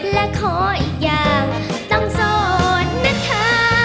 และขออีกอย่างต้องโสดนะคะ